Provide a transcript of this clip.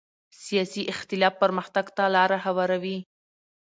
سیاسي اختلاف پرمختګ ته لاره هواروي